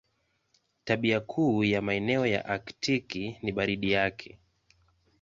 Tabia kuu ya maeneo ya Aktiki ni baridi yake.